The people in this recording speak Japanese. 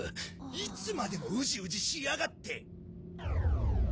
いつまでもウジウジしやがって。